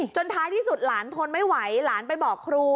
ท้ายที่สุดหลานทนไม่ไหวหลานไปบอกครู